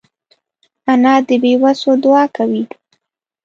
انا د بېوسو دعا کوي